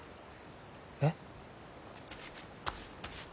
えっ？